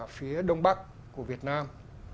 phía đông bắc của việt nam